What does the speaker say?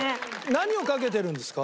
何をかけてるんですか？